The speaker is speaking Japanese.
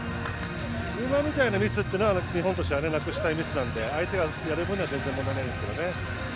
今みたいなミスってのは日本としてはなくしたいミスなので相手がやる分には全然問題ないんですけどね。